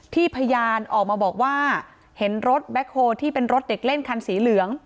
พยานออกมาบอกว่าเห็นรถแบ็คโฮลที่เป็นรถเด็กเล่นคันสีเหลือง